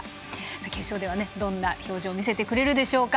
決勝ではどんな表情を見せてくれるでしょうか。